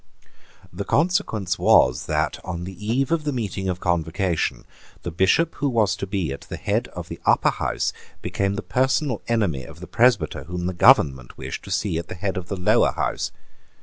The consequence was that, on the eve of the meeting of Convocation, the Bishop who was to be at the head of the Upper House became the personal enemy of the presbyter whom the government wished to see at the head of the Lower House.